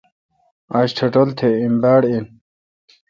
آج ٹٹھول تہ ایم باڑ این۔